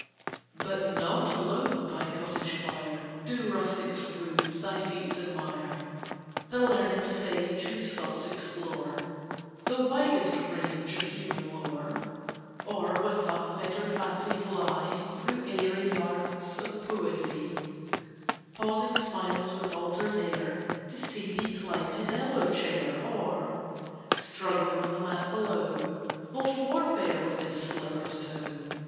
But not alone by cottage fire Do rustics rude thy feats admire. The learned sage, whose thoughts explore The widest range of human lore, Or with unfettered fancy fly Through airy heights of poesy, Pausing smiles with altered air To see thee climb his elbow chair, Or, struggling on the mat below, Hold warfare with his slippered toe.